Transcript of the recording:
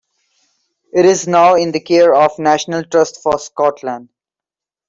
It is now in the care of the National Trust for Scotland.